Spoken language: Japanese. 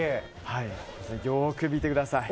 よく見てください。